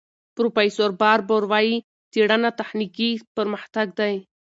پروفیسور باربور وايي، څېړنه تخنیکي پرمختګ دی.